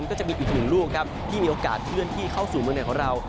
ก็จะมีอีกหนึ่งลูกที่มีโอกาสเข้าที่เมืองไหนของเรา